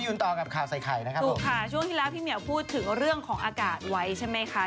ถูกค่ะช่วงที่แล้วพี่เหมียวพูดถึงเรื่องของอากาศไว้ใช่ไหมคะ